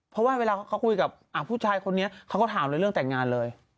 เพราะว่าเวลาเขาคุยกับผู้ชายคนนี้เขาก็ถามเลยเรื่องแต่งงานเลย